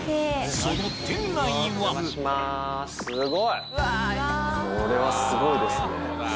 そのこれはすごいですね。